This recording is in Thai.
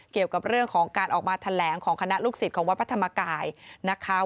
เกี่ยวกับเรื่องของการออกมาแถลงของคณะลูกศิษย์ของวัดพระธรรมกายนะคะ